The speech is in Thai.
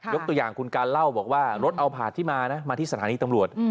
ยกตัวอย่างคุณการเล่าบอกว่ารถเอาผาดที่มานะมาที่สถานีตำรวจ